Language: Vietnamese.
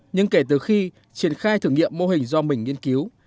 nhưng kể từ khi triển khai thử nghiệm mô hình do mình nghiên cứu